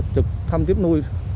trực thăm tiếp nuôi